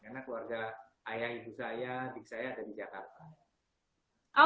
karena keluarga ayah ibu saya adik saya ada di jakarta